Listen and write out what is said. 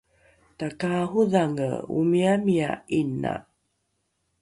takaarodhange omiamia ’ina